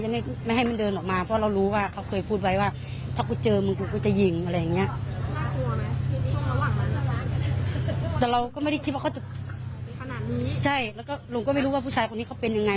ใช่แล้วก็ลุงก็ไม่รู้ว่าผู้ชายคนนี้เขาเป็นยังไง